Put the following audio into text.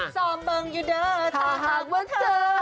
สอบบึงอยู่เด้อท่าหากว่าเธอ